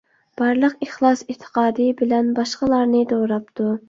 بارلىق ئىخلاس - ئېتىقادى بىلەن باشقىلارنى دوراپتۇ.